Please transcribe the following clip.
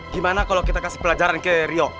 gimana kalo kita kasih pelajaran ke ryo